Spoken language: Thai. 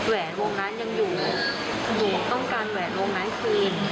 แหวนวงนั้นยังอยู่ต้องการแหวนวงนั้นคืน